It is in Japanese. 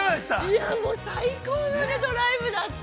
◆いや、もう最高のドライブだった。